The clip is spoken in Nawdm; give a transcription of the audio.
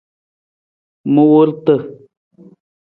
Muurata.